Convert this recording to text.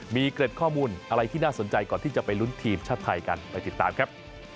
มีเกร็ดข้อมูลอะไรที่น่าสนใจก่อนที่จะไปลุ้นทีมชาติไทยกันไปติดตามครับ